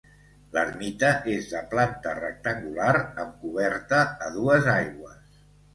L'ermita és de planta rectangular amb coberta a dues aigües.